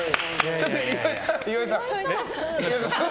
ちょっと岩井さん。